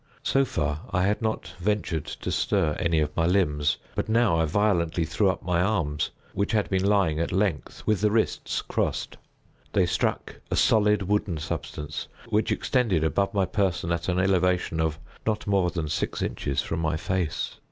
So far, I had not ventured to stir any of my limbs—but now I violently threw up my arms, which had been lying at length, with the wrists crossed. They struck a solid wooden substance, which extended above my person at an elevation of not more than six inches from my face.